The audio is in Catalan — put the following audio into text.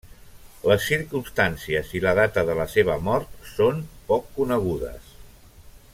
Les circumstàncies i la data de la seva mort són poc conegudes.